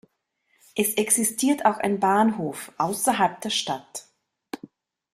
Es existiert auch ein Bahnhof, außerhalb der Stadt.